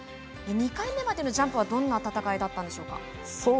２回目までのジャンプはどんな戦いだったんでしょうか？